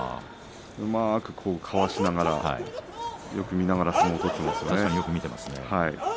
うまくかわしながらよく見ながら確かによく見ています。